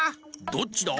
「どっちだ？」